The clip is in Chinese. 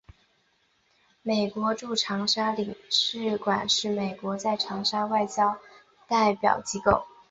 美国驻长沙领事馆是美国在长沙的外交代表机构。